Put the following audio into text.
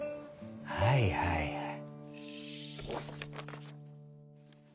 はいはいはい。